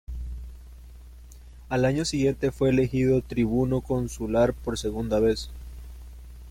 Al año siguiente fue elegido tribuno consular por segunda vez.